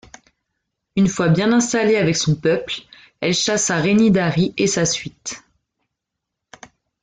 Une fois bien installée avec son peuple, elle chassa Rainidary et sa suite.